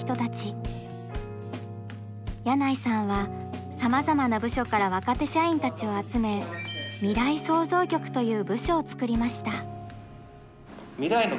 箭内さんはさまざまな部署から若手社員たちを集め「未来創造局」という部署を作りました。